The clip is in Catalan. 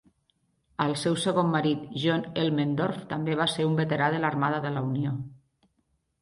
El seu segon marit, John Elmendorf, també va ser un veterà de l'Armada de la Unió.